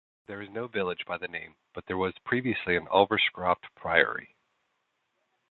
There is no village by the name, but there was previously an Ulverscroft Priory.